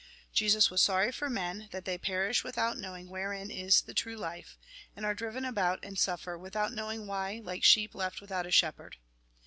Jesus was sorry for men, that they perish without knowing wherein is the true life, and are driven about and suffer, without knowing why, like sheep left without a shepherd.